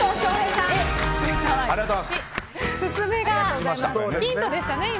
進めがヒントでしたね。